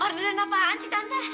orderan apaan sih tante